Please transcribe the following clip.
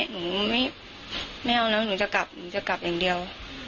หนูไม่เอานะหนูจะกลับหนูจะกลับอย่างเดียว